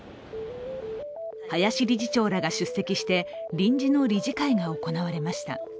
林理事長らが出席して臨時の理事会が行われました。